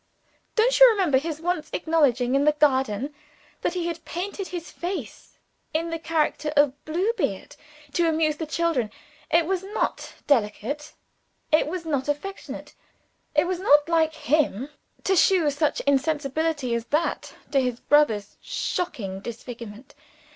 "Don't you remember his once acknowledging in the garden that he had painted his face in the character of Bluebeard, to amuse the children? It was not delicate, it was not affectionate it was not like him to show such insensibility as that to his brother's shocking disfigurement.